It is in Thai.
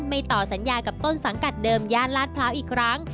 ต่อสัญญากับต้นสังกัดเดิมย่านลาดพร้าวอีกครั้ง